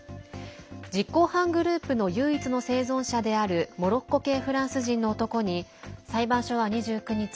実行犯グループの唯一の生存者であるモロッコ系フランス人の男に裁判所は２９日